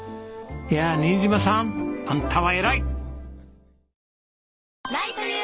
いやあ新嶋さんあんたは偉い！